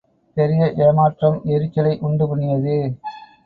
பெரிய ஏமாற்றம் எரிச்சலை உண்டு பண்ணியது.